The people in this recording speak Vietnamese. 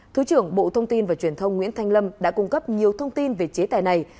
thứ trưởng bộ thông tin và truyền thông nguyễn thanh lâm đã cung cấp nhiều thông tin về chế tài này